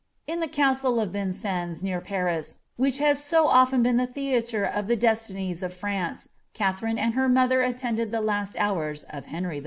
In the castle of Vinrennes, near Paris, which has so often been the Llieatre of the destinies of France, Katherine and her mother siiendad bhe bsi hours of Henry V.'